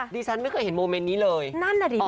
ดิฉันไม่เคยเห็นโมเมนท์นี้เลยอ่อเทาะมากเลย